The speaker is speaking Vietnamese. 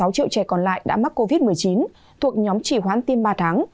ba sáu triệu trẻ còn lại đã mắc covid một mươi chín thuộc nhóm chỉ hoán tiêm ba tháng